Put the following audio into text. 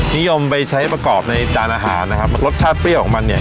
นิยมไปใช้ประกอบในจานอาหารนะครับรสชาติเปรี้ยวของมันเนี่ย